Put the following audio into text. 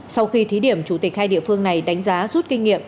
sau khi thí điểm chủ tịch hai địa phương này đánh giá rút kinh nghiệm